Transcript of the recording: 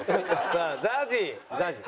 さあＺＡＺＹ。